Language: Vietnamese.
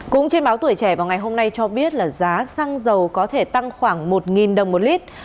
cũng trên báo tuổi trẻ vào ngày hôm nay cho biết là giá xăng dầu có thể tăng khoảng một đồng một lít